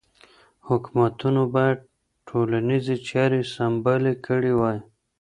حکومتونو باید ټولنیزې چارې سمبالې کړې وای.